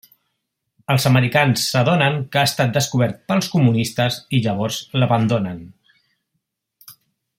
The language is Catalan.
Els americans s'adonen que ha estat descobert pels comunistes i llavors l'abandonen.